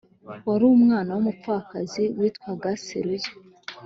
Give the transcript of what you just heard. wari umwana w’umupfakazi witwaga Seruya